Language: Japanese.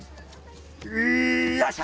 いよっしゃ！